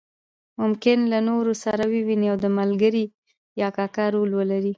ممکن له نورو سره وویني او د ملګري یا کاکا رول ولري.